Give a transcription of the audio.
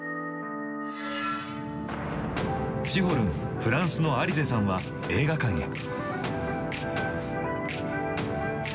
シホるんフランスのアリゼさんは映画館へ。